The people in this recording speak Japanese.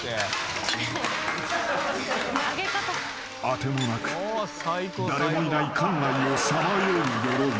［当てもなく誰もいない館内をさまようヨロイ］